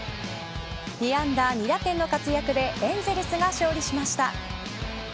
２安打２打点の活躍でエンゼルスが勝利しました。